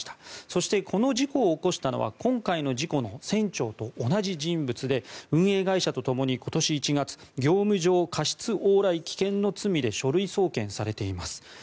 そしてこの事故を起こしたのは今回の事故の船長と同じ人物で運営会社とともに今年１月業務上過失往来危険の罪で書類送検されています。